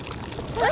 えっ？